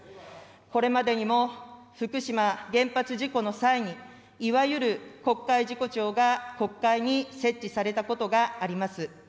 これまでにも福島原発事故の際に、いわゆる国会事故調が国会に設置されたことがあります。